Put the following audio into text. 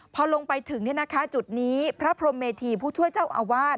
พอลงไปถึงจุดนี้พระพรมเมธีผู้ช่วยเจ้าอาวาส